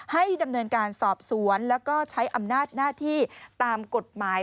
ให้ดำเนินการสอบสวนแล้วก็ใช้อำนาจหน้าที่ตามกฎหมาย